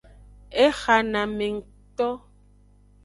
Exanamengto.